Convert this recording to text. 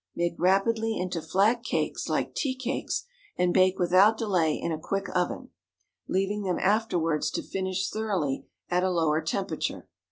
Make rapidly into flat cakes like 'tea cakes,' and bake without delay in a quick oven, leaving them afterwards to finish thoroughly at a lower temperature.